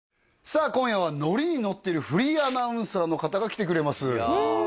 さあ今夜はノリにのってるフリーアナウンサーの方が来てくれます